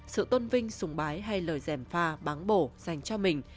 sự tôn vinh sùng bái hay lời giảm pha báng bổ dành cho mình